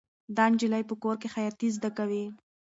دا نجلۍ په کور کې خیاطي زده کوي.